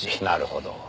なるほど。